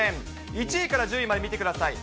１位から１０位を見てください。